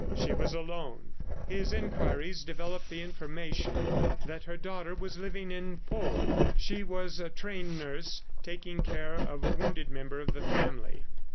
She was alone. His inquiries developed the information that her daughter was living in Pau. She was a trained nurse taking care of a wounded member of the family.